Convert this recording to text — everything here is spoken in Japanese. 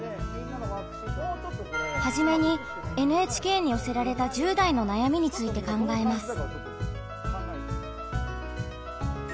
はじめにＮＨＫに寄せられた１０代の悩みについて考えます。